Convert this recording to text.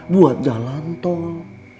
buat jalan tol